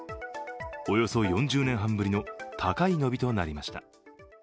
およそ４０年半ぶりの高い伸びとなりました。